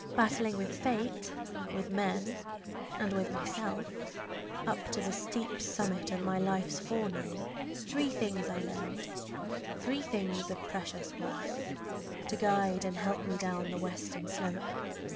Battling with fate, with men, and with myself, Up the steep summit of my life's forenoon, Three things I learned, three things of precious worth, To guide and help me down the western slope.